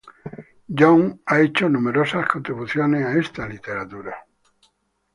Young ha hecho numerosas contribuciones a esta literatura.